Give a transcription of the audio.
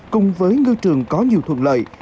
cùng với ngư trường có nhiều thuận lợi